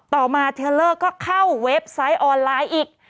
ต่อมาเทลเลอร์ก็เข้าเว็บไซต์ออนไลน์อีก